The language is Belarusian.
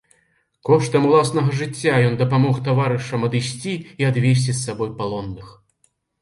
Коштам уласнага жыцця ён дапамог таварышам адысці і адвесці з сабой палонных.